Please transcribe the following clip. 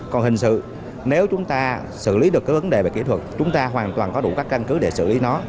còn hình sự nếu chúng ta xử lý được cái vấn đề về kỹ thuật chúng ta hoàn toàn có đủ các căn cứ để xử lý nó